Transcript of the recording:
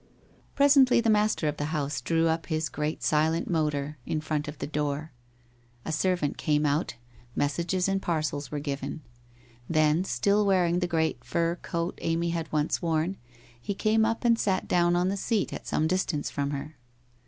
... I Presently the master of the house drew up his great silent motor in front of the door. A servant came out, messages and parcels were given. Then, still wearing the great fur coat Amy had once worn, he came up and sat down on the seat at some distance from her.